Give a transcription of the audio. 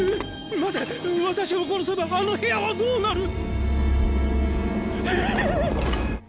待て私を殺せばあの部屋はどうなる？ヒィ！